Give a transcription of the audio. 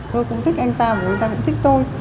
tôi cũng thích anh ta và người ta cũng thích tôi